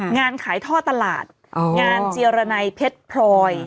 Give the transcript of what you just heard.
งานขายท่อตลาดงานเจียรนัยเพชรพลอย